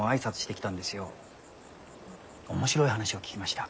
面白い話を聞きました。